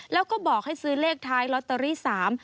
แล้วก็บอกให้ซื้อเลขท้ายลอตเตอรี่สาม